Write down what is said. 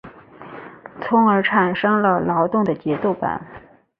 从而产生了劳动的节奏感。